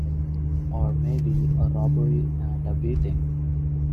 Or maybe a robbery and a beating.